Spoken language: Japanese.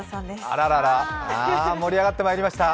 あららら、盛り上がってまいりました。